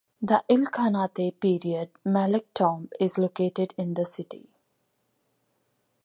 The Ilkhanate-period Malek Tomb is located in the city.